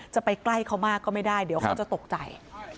จะไปใกล้เขามากก็ไม่ได้เดี๋ยวเขาจะตกใจ